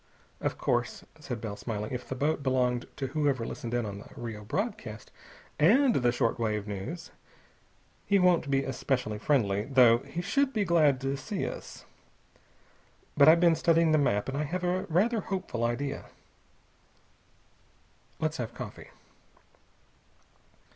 "Of course," said Bell, smiling, "if the boat belonged to whoever listened in on the Rio broadcast and the short wave news, he won't be especially friendly, though he should be glad to see us. But I've been studying the map, and I have a rather hopeful idea. Let's have coffee."